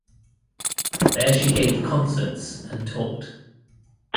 There she gave concerts and taught.